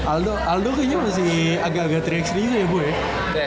aldo kayaknya masih agak agak tiga x tiga juga ya bu ya